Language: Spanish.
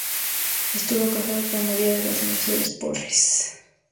Estuvo casado con María de las Mercedes Porres.